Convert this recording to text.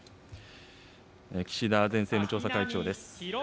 岸田前政務調査会長です。